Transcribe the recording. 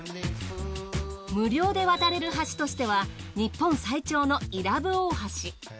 無料で渡れる橋としては日本最長の伊良部大橋。